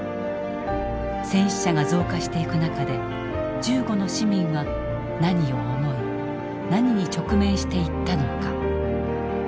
戦死者が増加していく中で銃後の市民は何を思い何に直面していったのか。